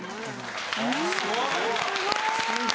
すごーい！